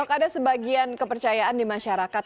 ada sebagian kepercayaan di masyarakat